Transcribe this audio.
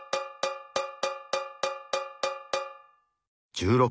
１６。